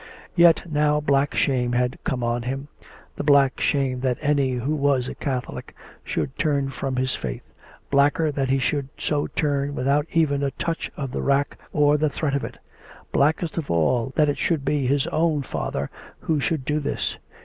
Yet now black shame had come on him — the black shame that any who was a Catholic should turn from his faith; blacker, that he should so turn without even a touch of the rack 24 COME RACK! COME ROPE! or the threat of it; blackest of all^ that it should be his own father who should do this.